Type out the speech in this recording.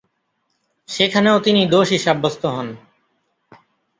সেখানেও তিনি দোষী সাব্যস্ত হন।